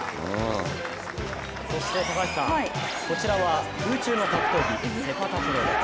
そして高橋さん、こちらは空中の格闘技、セパタクローです。